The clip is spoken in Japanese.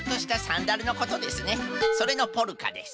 それのポルカです。